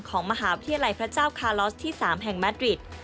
ของมหาวิทยาลัยพระเจ้าคาลอสที่๓แห่งแมดริด